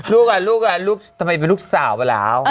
ลูกอ่ะลูกอ่ะลูกทำไมเป็นลูกสาวไปแล้ว